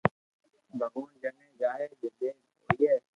ڀگوان جڻي چائي جدي ھوئي